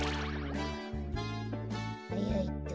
はいはいっと。